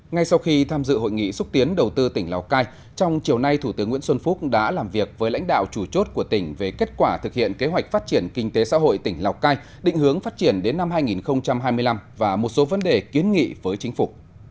ngay sau khi tham dự hội nghị xúc tiến đầu tư tỉnh lào cai trong chiều nay thủ tướng nguyễn xuân phúc đã làm việc với lãnh đạo chủ chốt của tỉnh về kết quả thực hiện kế hoạch phát triển kinh tế xã hội tỉnh lào cai định hướng phát triển đến năm hai nghìn hai mươi năm và một số vấn đề kiến nghị với chính phủ